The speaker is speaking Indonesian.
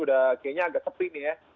udah kayaknya agak sepi nih ya